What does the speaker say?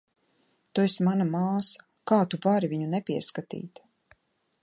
Tu esi mana māsa, kā tu vari viņu nepieskatīt?